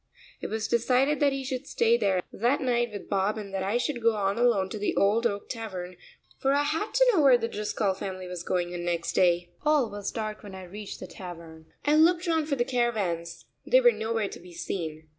It was decided that he should stay there that night with Bob and that I should go on alone to the Old Oak Tavern, for I had to know where the Driscoll family was going the next day. All was dark when I reached the tavern. I looked round for the caravans. They were nowhere to be seen.